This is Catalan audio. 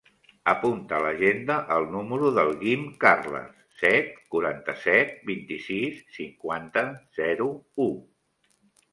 Apunta a l'agenda el número del Guim Carles: set, quaranta-set, vint-i-sis, cinquanta, zero, u.